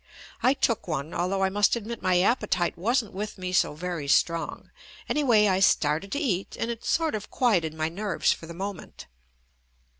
I took one, al though I must admit my appetite wasn't with me so very strong. Anyway I started to eat, and it sort of quieted my nerves for the mo ment.